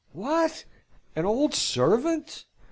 "What! an old servant?"